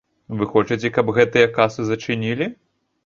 Вы хочаце, каб гэтыя касы зачынілі?